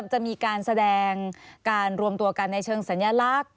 จะมีการแสดงการรวมตัวกันในเชิงสัญลักษณ์